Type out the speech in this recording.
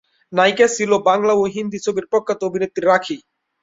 নায়িকা ছিল বাংলা ও হিন্দী ছবির প্রখ্যাত অভিনেত্রী রাখী।